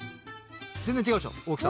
全然違うでしょ大きさ。